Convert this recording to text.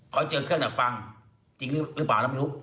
เขาเจอเครื่องดักฟังจริงหรือเปล่าเราไม่รู้